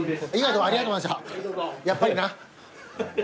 やっぱりな。